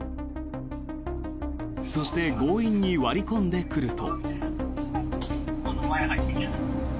そして強引に割り込んでくると。